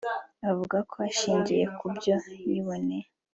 avuga ko ashingiye ku byo yiboneye